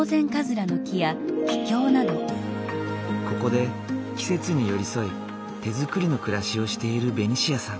ここで季節に寄り添い手づくりの暮らしをしているベニシアさん。